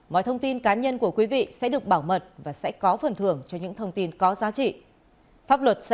mọi thông tin cá nhân của quý vị sẽ được bảo mật và sẽ có phần thưởng cho những thông tin có giá trị